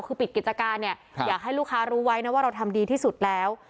คือปิดกิจการเนี่ยอยากให้ลูกค้ารู้ไว้นะว่าเราทำดีที่สุดแล้ว